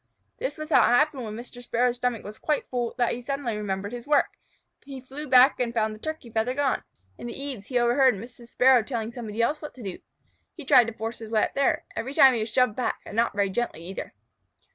This was how it happened that when Mr. Sparrow's stomach was quite full, and he suddenly remembered his work, he flew back and found the Turkey feather gone. In the eaves overhead he heard Mrs. Sparrow telling somebody else what to do. He tried to force his way up there. Every time he was shoved back, and not very gently either.